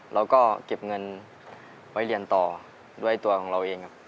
แล้วก็เก็บเงินไว้เรียนต่อด้วยตัวของเราเองครับ